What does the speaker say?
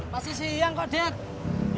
masih siang kok dad